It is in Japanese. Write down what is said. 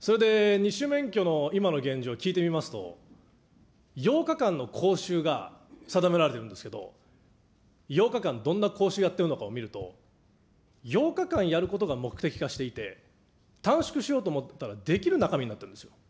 それで２種免許の今の現状聞いてみますと、８日間の講習が定められてるんですけど、８日間、どんな講習をやっているのかを見ると、８日間やることが目的化していて、短縮しようと思ったらできる中身になってるんですよ。